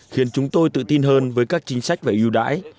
khiến chúng tôi tự tin hơn với các chính sách và ưu đãi